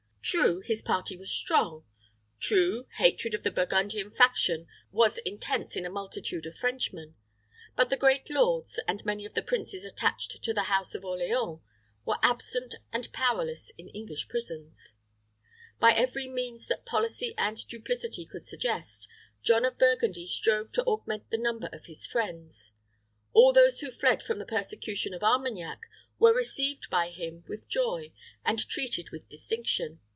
True, his party was strong; true, hatred of the Burgundian faction was intense in a multitude of Frenchmen. But the great lords, and many of the princes attached to the house of Orleans, were absent and powerless in English prisons. By every means that policy and duplicity could suggest, John of Burgundy strove to augment the number of his friends. All those who fled from the persecution of Armagnac were received by him with joy and treated with distinction.